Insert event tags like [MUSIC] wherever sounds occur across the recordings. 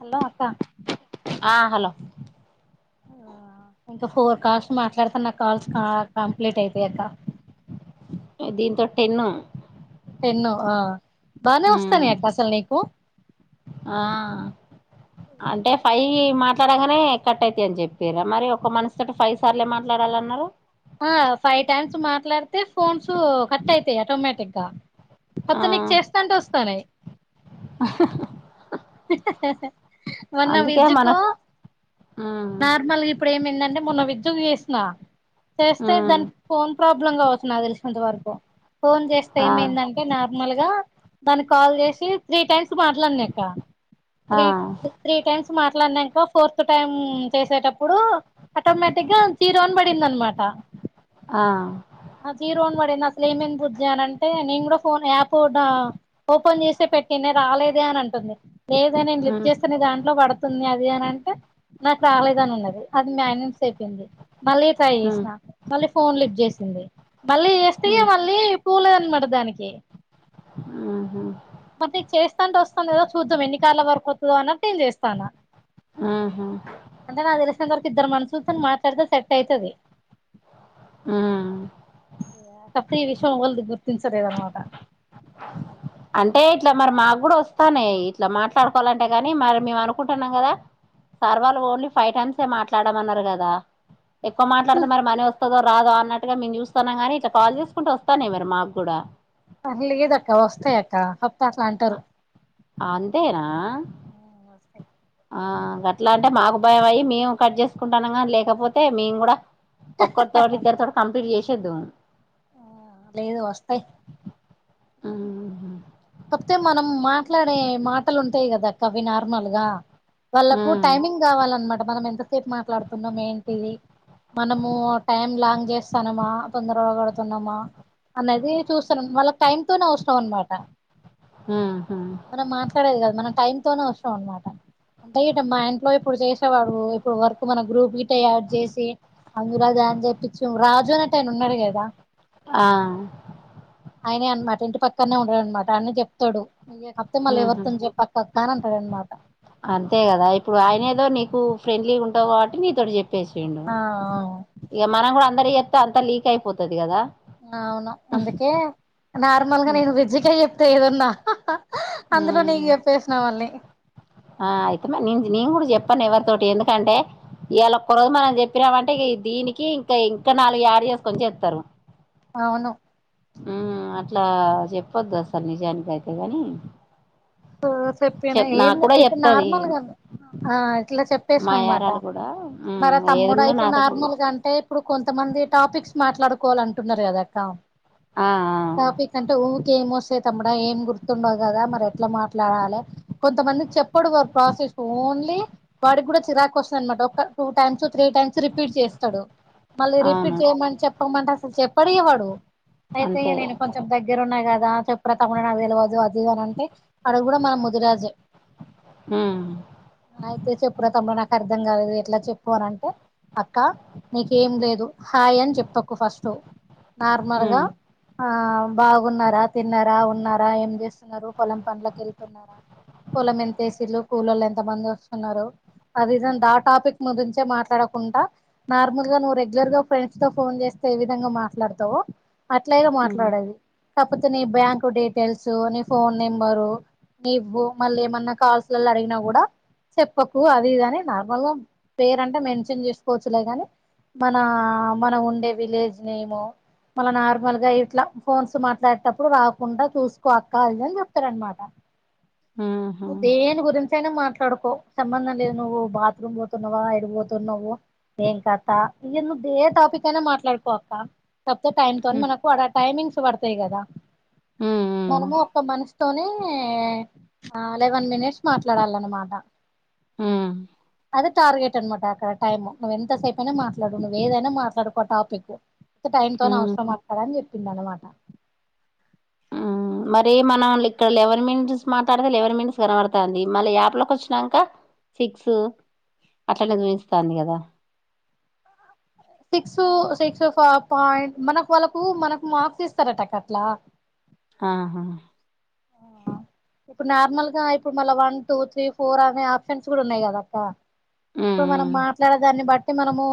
Hello అక్కా ఆ hello ఇంకా ఫోర్ కాల్స్ మాట్లాడుతున్న కాల్స్ కంప్లీట్ అయిపోయాక దీంతో టెన్ను పెన్నో ఆ ఉమ్ ఆ అంటే ఫైవ్ ఎ మార్తో మాట్లాడగానే కట్ అవుతాయ అని చెప్పా మరి ఒక మనసుితోటి ఫైవ్ సార్లు మాట్డాలన్నారు ఆ ఫైవ్ టైమ్స్ మాట్లాడితే ఫోన్స్ కట్ అయితాయి ఆటోమేటిక్గా ఆ అత్తో నీకు చేస్తాంటే వస్తనాయి మొన్న అందుకే విద్య కు మనం ఉమ్ నార్మల్ ఇప్పుడు ఏమైందంటే మొన్న విద్య కు చేసిన చేస్తే ఉమ్ దానికి ఫోన్ ప్రాబ్లమ్ గా వస్తుంది నాకు తెలిసినంత వరకు ఫోన్ చేస్తే ఆ ఏమైందంటే నార్మల్ గా దానికి కాల్ చేసి త్రీ టైమ్స్ మాట్లాడినాక ఆ త్రీ త్రీ టైమ్స్ మాట్లాడినాక ఫోర్త్ టైమ్ చేసేటప్పుడు ఆటోమేటిక్ గా జీరో అని పడింది ఆ జ రోన్ వడే నా లేమన్ బుర్జా అంటే నేను ఫో యాప్ ఓపెన్ చే పెట్టి రాలేదే అని అంటుంది లేద నేను లిఫ్ ఉమ్ చేస్తేనే దాంట్లో పడుతుంది అది అని అంటే నాకు చాలేదని ఉన్నది అది మ్యాన్ంస్ అపోంది మళ్ళీ ట్రై ఉమ్ చేసినా మళ్ళీ ఫోన్ లిఫ్ట్ చేసింది మళ్ళీ చేస్తయ ఉమ్ మళ్ళీ పూలే అనమాట దానికి ఉహు మ చేస్త అంటే వస్తుంది కదా చూద్దాం ఎన్నికళ్ళ వరకువుతుందో అన్నట్టుేం చేస్తాను ఆహా వరకు ఇద్దరు మనసుులు తన మాట్లాడతా సెట్ అయితది ఆ కపో ఈ విషయం వల్ది గుర్తి సరేద అన్నమాట అంటే ఇట్లా మరి మాకు కూడా వస్తానే ఇట్లా మాట్లాడుకోవాలంటే కాని మరి మేము అనుకుంటున్నాం కదా సార్ వాళ్ళు ఓన్లీ ఫైవ్ టైమ్సే మాట్లాడమన్నారు కదా ఎక్కువ మాట్లాడుత మ వస్తుో రాదో అన్నట్టుగా మేము చూస్తాన్నాగాని ఇట్లా కాల్ చేసుకుంటే వస్తానే మరి మాకు కూడా అలిగ ఇద అక్క వస్తా అక్కప్ప అంతేనా ఆ అట్లా అంటే మాకు భయం అయ్యి మేము కట్ చేసుకుంటున్నాం కానీ లేకపోతే మేము కూడా ఒక్కరు తోటి ఇద్దరు తోటి కంప్లీట్ చేసి చేద్దుము ఆ లేదు వస్తాయి హ్మ్ హు కాకపోతే మనం మాట్లాడే మాటలు ఉంటాయి కదాక్క అవి నార్మల్గా వాళ్ళకు టైమింగ్ కావాలన్నమాట మనం ఎంతసేపు మాట్లాడుతున్నాం ఏంటిది మనము టైం లాంగ్ చేస్తానమా తొందర గా [UNINTELLIGIBLE] తు అనేది చూస్తున్నా వాళ్ళకి టైమ్ తోనే అవసరం అనమాట ఉహు మనం మాట్లాడేది కాదు మన టైమ్ తోనే వసం అనమాట అంటే గిట్ల మా ఇంట్లో ఇప్పుడు చేసేవాడు ఇప్పుడు వర్క్ మన గ్రూప్ గిట్ట యాడ్ చేసి అందులో జాయిన్ చెప్పిచాం రాజు నట్టే ఆయన ఉన్నాడు కదా ఆ ఆయనే అనమాట ఇంటి పక్కనే ఉంటడు అన్మాట్ తను చెప్తాడు కాకపోతే మళ్ళీ హ్మ్ హు ఎవరితోని చెప్పక్క అక్క అని అంటాడు అనమాట అంతే కదా ఇప్పుడు ఆయన ఏదో నీకు ఫ్రెండ్లీగా ఉంటావు కాబట్టి నీతోటి చెప్ ప్పేసిండు ఆ ఇగ మనం కూడా అన్ మరి ఎత్త అంతా లీక్ అయిపోతుది కదా అవును అందుకే నార్మల్గా నేను విజ్జికయ చెప్త ఏదున్న హ హ హ్మ్ ఆ ఆయితే మరి నిం నంగ్ కు చెప్పాను ఎవరితోటి ఎందుకంటే ఇయాల ఒక్క రోజు మనం చెప్పినామంటే దీనికి ఇంకా ఇంకా నాలుగు ఏడు చేసుకొని చెత్తరు అవును ఆ అట్లా చెప్పొద్దు అసలు నిజానికి అయితే కని చెప్పిన ఏం ఇప్పుడు నార్మల్గా ఇట్లా చెప్పేసా మా అనమాట యారాలు కూడా ఉమ్, మరి తమ్ముడా ఏదున్నా ఇప్పుడు నాతో కూడా నార్మల్గా చెప్తుంది అంటే ఇప్పుడు కొంతమంది టాపిక్స్ మాట్లాడుకోవాల అంటున్నారు కదా అక్క ఆ, టాపిక్ అంటే ఊ ఎం ఒస్తాయి తమ్ముడా ఏం గుర్తుండవు కదా మరి ఎలా మా ఎట్లా రాలే కొంతమంది చెప్పడు వారు ప్రాసెస్ ఓన్లీ వాడికి కూడా చిరాకు వస్తుంది అనమాట ఒక two times three times repeat చేస్తాడు మళ్ళీ ఆ, అవును రిపీట్ చేయమని చెప్పమంటే అసలు చెప్ప పడియ వాడుో అయితే అంతే నేను కొంచెం దగ్గర ఉన్నా కాదు చెప్పు్ర తమ్ముడా నాకు తెల్వదు అది అని అంటే అడు కూడా మన ముదురాజే ఉమ్, అయితే చెప్పురా తమ్ముడా నా అర్థం కాలదు ఎట్లా చెప్పు అన అంటే అక్క నీకేం లేదు హాయ్ అని చెప్తకు ఫస్ట్ నార్మల్గా ఉమ్, ఆ బాగున్నారా తిన్నారా ఉన్నారా ఏం చేస్తున్నారు పొలం పనులకి వెళ్తున్నారా పొలం ఎంతసలు కూలలు ఎంత మంది వస్తున్నారు అది ఆ టాపిక్ ముదంచే మాట్లాడకుండా నార్మల్ గా నువ్వు రెగ్యులర్ గా ఫ్రెండ్స్ తో ఫోన్ చేస్తే ఏ విధంగా మాట్లాడతావు అట్లాగా ఉమ్, మాట్లాడది కాకపోతే నీ బ్యాంక్ డీటెయిల్స్ నీ ఫోన్ నేమ్ నువ్వు మళ్ళీ ఏమన్నా కాల్స్లో అడిగిన కూడా చెప్పకు అది ఇదిని నార్మల్ గా పేర అంటే మెన్షన్ చేసుకోవచ్చులేగాని మన మన ఉండే విలేజ్ నేమ్ మళ నార్మల్ గా ఇట్లా ఫోన్స్ మాట్లాడేటప్పుడు రాకుండా చూసుకో అక్కాలి అని చె తన్మాట ఉమ్, ఉదేని గురించనా మాత్ర మాట్లాడుకో సంబంధం లేదు నువ్వు బాత్రూమ్ పోతున్నావా ఎడిపోతున్నా నువ్వు ఏం కస్తా ఇ నువ్వు ఏ టాపిక్ అయినా మాట్లాడుకో అక్క తతే టైమ్ తో ఉమ్, మనకు టైమింగ్స్ పడు స కదా ఉమ్, మనము ఒత్త మనస్తా తనే అలెవెన్ మినిట్స్ మాట్లాడాల అన్నమాట ఆ అదే టార్గెట్ అనమాట అక్కడ టైమ్ నువ్్వ ఎంతసేపుైనా మాట్లాడు నువ్వు ఏదైనా మాట్లాడుకో టాపిక్ టైమ్ తో ఉమ్. అవసరం అట్క్కడ అని చెప్పి పిల్లాల మాటా మరి మనం ఇక్కడలెవర్ మీన్స్ మాట్లాడతే లెవర్ మీన్స్ కనబడుతంది మళ్ళీ యాప్లోకి వచ్చినాక సిక్స్ అట్లనే చూస్తంది కదా సిక్స్ సిక్స్ ఫ పాయింట్ మనకు వాళ్ళకు మనకు మార్క్స్ ఇస్తారట అట్లా ఆహా ఇప్పుడు నార్మల్ గా ఇప్పుడు మళ్ళ వన్ టూ త్రీ ఫోర్ అనే ఆప్షన్స్ కూడా ఉన్నాయి కదాక్క ఇప్పుడు మనం ఉమ్ మాట్లాడే దాన్ని బట్టి అతే మనము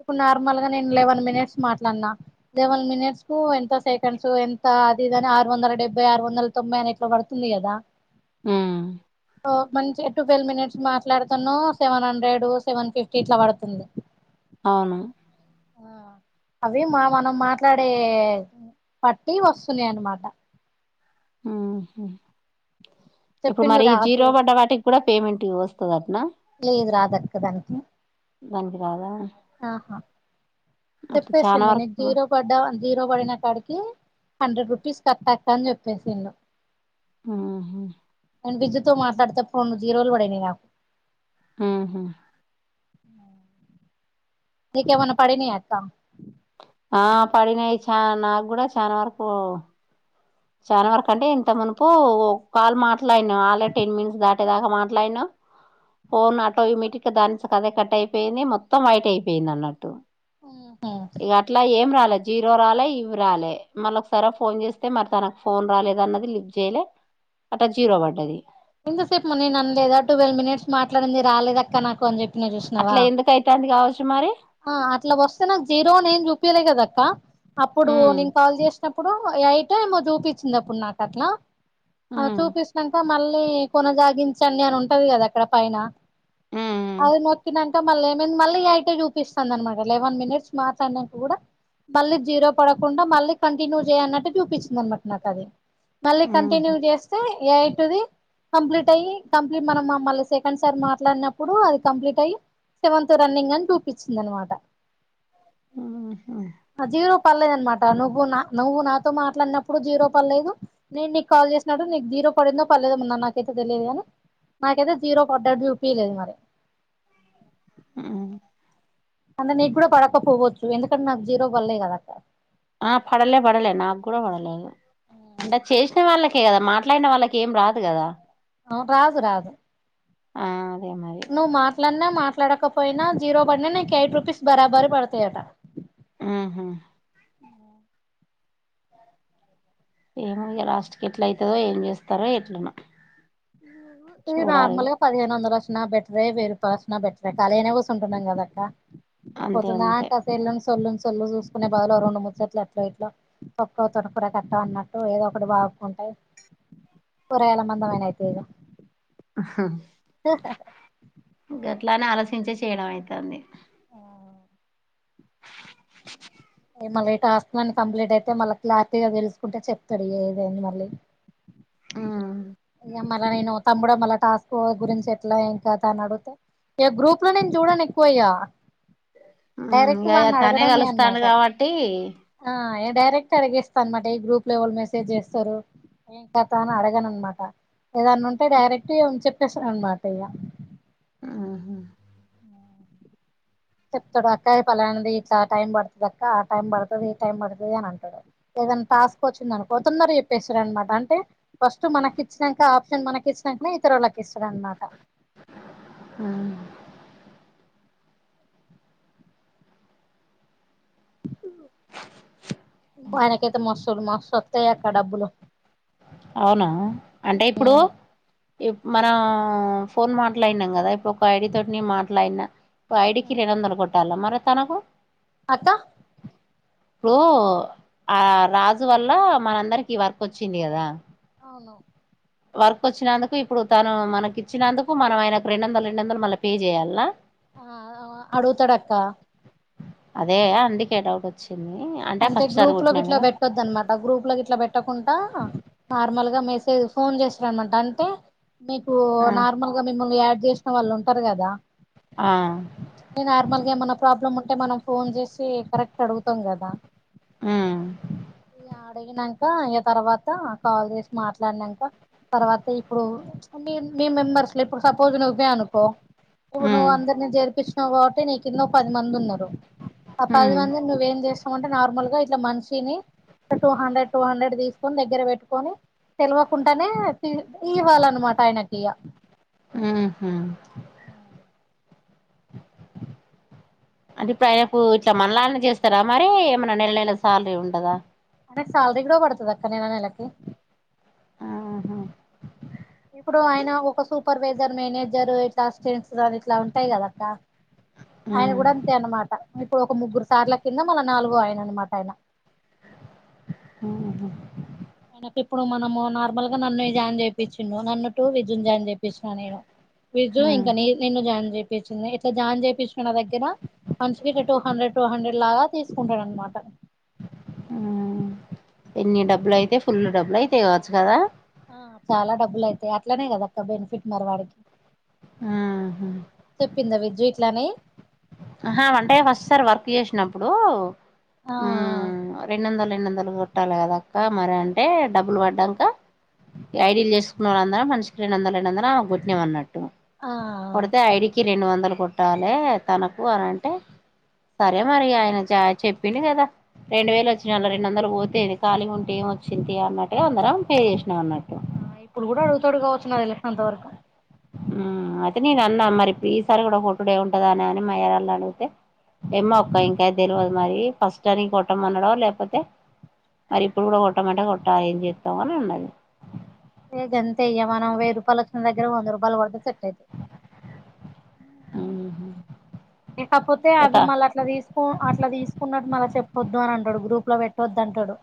ఇడు నార్మల్ గా నేను లెవెన్ మినిట్స్ మాట్లాడినా లెవెన్ మినిట్స్ కు ఎంత సెకండ్స్ ఎంత అది ఇదిని ఆరు వందల డెబ్బై ఆరు వందల తొంభై అన ఎట్లు పడుతుంది కదా ఆ మంచి టు ట్వెల్వ్ మినిట్స్ మాట్లాడుతాను సెవెన్ హండ్రెడ్ సెవెన్ ఫిఫ్టీ ఇట్లా పడుతుంది అవును ఆ అవి మా మనం మాట్లాడే పట్టి వస్తున్నా అన్నమాట ఉహు ఇప్పుడు చెప్పిండు మరి ఈ రాదు జీరో పడ్డ వాటికి కూడా పేమెంట్ ఇ వస్తుంది అటా లేదు రాదక్క దానికి దానికి రాదా ఆహా అట్లా చాలా చెప్పేసిరి నీ వరకు జీరో పడ్డా అంత జీరో పడిన కాడికి హండ్రెడ్ రూపీస్ కట్టక్క అని చెప్పేసిరూ ఆహా నేను విద్యతో మాట్లాడితే ఫను జీరోలు పడినాయి నాకు ఆహా నీకేమన్న పడినాయ అక్క ఆ పడినాయి చా నాకు కూడా చానా వరకు చాలా వరకు అంటే ఇంత మునుపు కాల్ మాట్లాడినాం ఆల్రెడీ టెన్ మినిట్స్ దాకా మాట్లాడినాం ఫోన్ ఆటోమేటిక్ గా దాని అంతట అదే కట్ అయిపోయింది మొత్తం వైట్ అయిపోయింది అన్నట్టు ఉహు ఇక అట్లా ఏం రాదు జీరో రాలే ఇవి రాలే మళ్ళ ఒకసారి ఫోన్ చేస్తే తనకు ఫోన్ రాలేదు అన్నది లిఫ్ చేయలే అట్ట జీరో పడ్డది ఎంతసేపు నేను అనలేదా ట్వెల్వ్ మినిట్స్ మాట్లాడింది రాలేదఅక్క నాకు అని చెప్పి అట్లా ఎందుకు అతంది కావచ్చని మరి ఆ అట్లా వస్తే నాకు జీరోనీ ఏం చూపియలే కదా అక్క అప్పుడు నేను కాల్ చేస్త అప్పుడు ఎయిట్ ఏమో చూపించింది అప్పుడు నాకు అట్లా అ చూపించినంక మల్ల కొనసాగించండి అని ఉంటది కదా అక్కడ పైన అది నొక్కినాక మళ్ళీ ఏమైంది మళ్ళీ ఎయిట్ చూపి చూపిస్తుంది అనమాట లెవెన్ మినిట్స్ మాట్లాడిన కూడా మళ్ళీ జీరో పడకుండా మళ్ళీ కంటిన్యూ చేయన్నట్టు చూపిస్తుంది అనమాట నాకు అది మళ్ళీ కంటిన్యూ చేస్తే ఎయిటూది కంప్లీట్ అయి కంప్లీట్ మనం మళీ సెకండ్ సార్ మాట్లాడినప్పుడు అది కంప్లీట్ అయి సెవెంత్ రన్నింగ్ అని ఇచ్చిందనమాట ఉహు పల్లేదుఅన్నమాట నువ్వు నా నువ్వు నాతో మాట్లాడినప్పుడు జీరో పల్లేదు నేను నీకు కాల్ చేసినట్టు నీకు జీరో పడిందో పల్లేదు మ నాకైతే తెలియదు కాని నాకైతే జీరో పడ్డాడు చూపియలేదు మరి ఉ అంటే నీకు కూడా పడకపోవచ్చు, ఎందుకంటే నాకు జీరో పల్లేదుకదా అక్క, ఆ పడలే పడలే నాకు కూడా పడలే అవి అంటే చేసిన వాళ్ళకి కదా మాట్లాడిన వాళ్ళకి ఏం రాదు కదా, అవు రాదు రాదు ఆ అదే మరి నువ్వు మాట్లాడినా మాట మాట్లాడకపోయినా జీరో పడిన నీకు ఎయిట్ రూపీస్ బరాబరి పడతాయట, ఉహు ఇంకా ఏమో ఇగా లాస్ట్ కి ఎట్ల అయితాదో ఏం చేస్తారో ఎట్లనో ది చూడాలి ఇక నార్మల్గా పదిహేను వందలు వ బెటరే వెయ్యిరూపాయలు వచ్చిన బెటరే కాలి గానే కూర్చుటున్నాము, కదా అక్క అంతే అంతే పొద్దుందాక సెల్లును సెల్లును సెల్లును చూసుకునే బదలు ఓ రెండు ముచ్చట్లు అట్లో ఇట్లో తొక్కు తోటకూర కట్టో అనట్టు ఏదో ఒకటి వాగు కుంట కూరగాయలమందమైన అయితాయిగా, గట్లనే ఆలోచించి చేయడం అయితాంది, మళ్ళీ టాస్క్ అన్నీ కంప్లీట్ అయితే మళ్ళ క్లారిటీగా తెలుసుకుంటే చెప్తాడు ఏదైంది మళ్ళీ, ఉమ్ మళ్ల నేను తమ్ముడా మళ్ల టాస్క్ గురించి ఎట్లా ఏం కథ అని అడిగితే ఇక గ్రూప్ లో నేను చూడను ఎక్కువ ఇగా, ఆ తనే కలుస్తాడు అనమాట కాబట్టి ది ఆ డైరెక్ట్ అడిగేస్తా అనమాట ఈ గ్రూప్ లా ఎవరు మెసేజ్ చేస్తారు, ఏం కదా అని అడగను అన్నమాట ఏదన్న ఉంటే డైరెక్ట్ చెప్పేస్తను అనమాట ఇగా ఉహా చెప్తాడు అక్కయి పలానిది ఇట్లా టైం పడుతది అక్క ఆ టైం పడుతది ఈ టైం పడుతది అని అంటాడు, ఏదైనా టాస్క్ వచ్చింది అనుకో తొందర చెప్పేస్తాడు, అనమాట అంటే ఫస్ట్ మనకి ఇచ్చినాంక ఆప్షన్ మనకి ఇచ్చినాకనే ఇతరులకి, ఇస్తాడు అనమాట మనకైతే మసూరు మస్ వోత్తయ్యా అక్క డబ్బులు అవునా అంటే ఇప్పుడు మనం ఫోన్ మాట్లాడినాం కదా ఇప్పుడు ఒక ఐడి తోటి మాట్లాడినా, ఓ ఐడికి ఎనిమిది వందలు కొట్టాలా మరి తనకు అక్క ఇప్పుడు ఆ రాజు వల్ల మనందరికి వర్క్ వచ్చి చేపిండు కదా అవును వర్క్ వచ్చినందుకు ఇప్పుడు తను మనకి ఇచ్చినందుకు, మనం ఆయనకు రెండు వందలు రెండు వందలు మళ్ళ పే చేయల్న, ఆ అడుగుతడు అక్క అదే అందుకే డౌటు అంటే గ్రూప్ లోకి ఇట్లా పెట్టొద్దు అన్నమాట గ్రూప్ లో గిట్ల పెట్టకుండా నార్మల్ గా మెస్ లేదు ఫోన్ చేసిరమన్టాంటే మీకు కదా నార్మల్ గా మిమ్మల్ని యాడ్ చేసిన వాళ్ళు ఉంటారు కదా ఆ ఏ నార్మల్గా ఏమన్నా ప్రాబ్లమ్ అంటే మనం ఫోన్ చేసి కరెక్ట్ అడుగుతాం కదా ఉమ్ బ యాత్ అడిగినక అ తర్వాత కాల్ చేసి మాట్లాడినాక తర్వాత ఇప్పుడు మీ మీ మెంబర్స్ లో ఇప్పుడు సపోజ్ నువ్వే అనుకో ఇప్పుడు నువ్వు ఉమ్ అందరిని చేరిపిచు తర్వాతే నీ కింద పది మంది ఉన్నారు ఆ పది ఉమ్ మంది నువ్వేం చేస్ అంటే నార్మల్ గా ఇట్లా మనిషిని టూ హండ్రెడ్ టూ హండ్రెడ్ తీసుకొని దగ్గర పెట్టుకొని తెలివకుండానే తీర్ ఇవ్వాలన్నమాట ఆయనకి ఇగ ఉహు అది బయకు ఇట్లా మనలానే చేస్తారా మరి ఏమైన్నా నెల నెల సాలరీ ఉండదా దానికి శాలరీ కూడా పడతాద నెలనెలకి ఆహా ఇప్పుడు ఆయన ఒక సూపర్వైజర్ మేనేజర్ ఇట్లా అసిస్టెంట్స్ దని ఇట్లా ఉంటాయి కదక్క ఆయన ఉమ్ కూడా అంతే అనమాట ఇప్పుడు ఒక ముగ్గురు సార్ల కింద మళ్ళ నాలుగు ఆయన అనమాట ఆయన ఉఓ నాకు ఇప్పుడు మనము నార్మల్ గా నన్ను జాయిన్ చేయిించుండు నన్ను టటు విజున్ జాయిన్ చేయిించిన నేను విజు ఉమ్ ఇంకా న నిన్న జాన్ చెంది దిఇట్లా జాయిన్ చేయిుకు నా దగ్గర మంచి టూ హండ్రెడ్ టూ హండ్రెడ్ లాగా తీసుకుంటాడు అనమాట ఉమ్ ఎన్ని డబ్బులు అయితే ఫుల్ డబ్బులు అయితే ఇవచ్చు కదా ఆ చాలా డబ్బులు అయితాయి అట్లనే కదా అక్క బెనిఫిట్ మరి వాడికి ఉహు చెప్పింద విజయ ఇలానేే ఆహా వంటే ఫస్ట్ సార్ వర్క్ చేసినప్పుడు ఆ ఉ రెండ వందలు రెండు వందలు పట్టాలి కదాక్క మరి అంటే డబ్బులు పడ్డాక ఐడిీలు చేసుకున్న వాళ్ళ అందరం మన స్క్రీన్ అంద లే అర కొట్నమ అన్నట్టు ఆ కొడుతే ఐడికి రెండు వందలు కుట్టాలి తన పోరంటే సరే మరి ఆయన చెప్పింది కదా రెండు వేలు వచ్చినళ రెండు వందలు పోతేది ఖాళీ ఉంటే ఏం వచ్చింది అన్నట్టుగా అందరం పే చేసినాం అన్నట్టు ఆ ఇప్పుడు కూడా అడుగుత అడుగా వచ్చున్న అదిలే అంత వరకు ఉహ్ అయితే నేను అన్నా మరి, ఇప్పుడు ఈసారి కూడా కొట్టుడె ఉంటాద అనే అని మయారళ్ళు అడిగితే, ఏమో ఒక్క ఇంకా తెలియదు మరి ఫస్ట్ అని కొట్టమన్నాడో, లేకపోతే మరి ఇప్పుడు కూడా కొట్టమంటే కొట్టాలి ఎమ్ చేస్తాం అని అన్నది ఏ గంతయ్యవ నవ వెయ్య రూపాయల వచ్చిన దగ్గర వంద రూపాయల్ గోడతారు సెట్ అయితది ఆహు లేకపోతే అవి మళ్ళ అట్లా తీసుకు అట్లా తీసుకున్నట్టు మళ్ళీ చెప్పొద్దు అని అంటాడు గ్రూప్ లో పెట్టొద్దు తంటూడు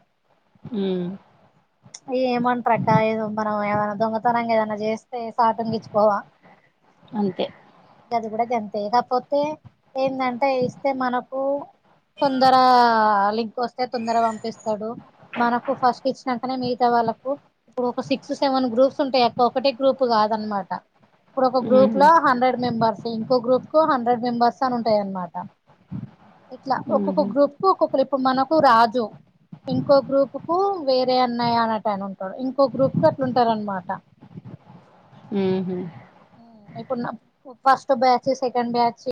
ఉహ్ ఈ ఏమంట్రక్క ఏదో మనం ఏ దొంగతనంగ ఎదనా చేస్తే సాటంగచ్చ పోవా అంతే అది కూడా ఇది అంతే ఇకపోతే ఏందంటే ఇస్తే మనకు తొందర లింక్ వస్తే తొందర పంపిస్తాడు మనకు ఫస్ట్ ఇచ్చినంకనే మీ తా వాళ్ళకు ఇప్పుడు ఒక సిక్స్ సెవెన్ గ్రూప్స్ ఉంటాయి అక్క ఒకటే గ్రూప్ కాదనమాట ఇప్పుడు ఒక గ్రూప్ లో మ్మ్. హండ్రెడ్ మెంబర్స్ ఇంకో గ్రూప్ కో హండ్రెడ్ మెబర్స్ తను ఉంటాయి అనమాట ఇట్లా ఒక్కొక్క మ్మ్. గ్రూప్ కు ఒక్కొక్కలు ఇప్పుడు మనకు రాజు ఇంకో గ్రూప్ కు వేరే అన్నయ అన్నటయనా అని ఉంటాడు ఇంకోక గ్రూప్ కు అట్లాంటారు అనమాట హుహ్ ఇప్పుడు నా ఫస్ట్ బ్యాచ్ సెకండ్ బ్యాచ్